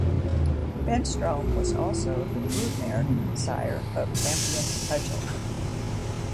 Ben Strome was also the broodmare sire of champion Cudgel.